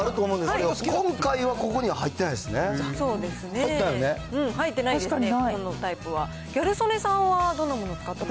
あるはあると思うんですけれども、今回はここに入ってないでそうですね。